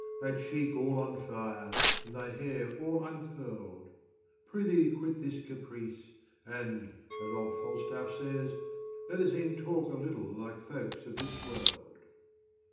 Thy cheek all on fire, and thy hair all uncurl'd: Pr'ythee quit this caprice; and (as old Falstaf says) Let us e'en talk a little like folks of this world.